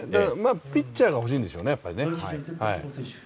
ピッチャーが欲しいんでしょうね、やっぱり。